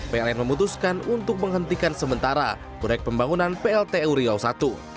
pln memutuskan untuk menghentikan sementara korek pembangunan plt uriau i